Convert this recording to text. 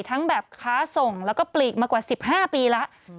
แบบค้าส่งแล้วก็ปลีกมากว่า๑๕ปีแล้ว